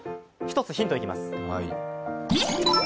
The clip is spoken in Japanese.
１つヒントいきます。